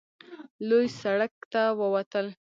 لوی سړک ته ووتل.